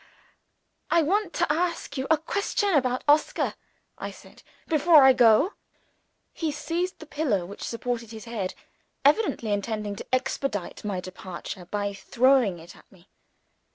"I want to ask you a question about Oscar," I said, "before I go." He seized the pillow which supported his head evidently intending to expedite my departure by throwing it at me.